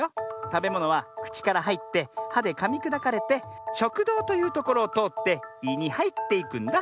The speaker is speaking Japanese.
たべものはくちからはいって「は」でかみくだかれて「しょくどう」というところをとおって「い」にはいっていくんだ。